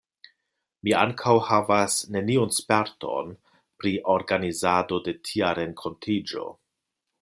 Mi ankaŭ havas neniun sperton pri organizado de tia renkontiĝo.